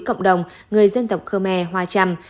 cộng đồng người dân tộc khmer hoa trăm